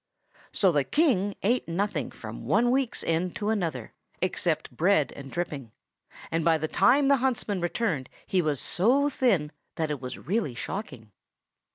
So the King ate nothing from one week's end to another, except bread and dripping; and by the time the huntsmen returned he was so thin that it was really shocking.